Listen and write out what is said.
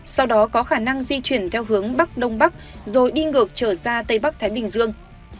sau đó có khả năng di chuyển theo hướng bắc đông bắc rồi đi ngược trở ra tây bắc thái bình dương